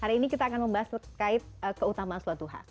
hari ini kita akan membahas terkait keutamaan sholat duha